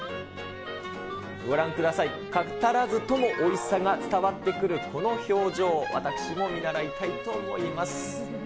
ご覧ください、語らずともおいしさが伝わってくるこの表情、私も見習いたいと思います。